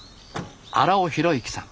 荒尾浩之さん。